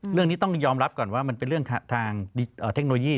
เรื่องนี้ต้องยอมรับก่อนว่ามันเป็นเรื่องทางเทคโนโลยี